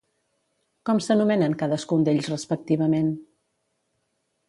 Com s'anomenen cadascun d'ells respectivament?